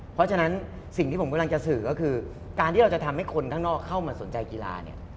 เพราะฉะนั้นสิ่งที่ผมกำลังจะสื่อก็คือการที่เราจะทำให้คนข้างนอกเข้ามาสนใจกีฬาเนี่ย